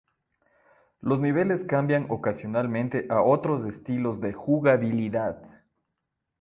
Los niveles cambian ocasionalmente a otros estilos de jugabilidad.